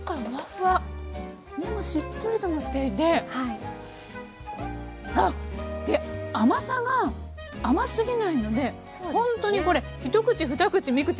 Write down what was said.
でもしっとりともしていてあっで甘さが甘すぎないのでほんとにこれひと口ふた口み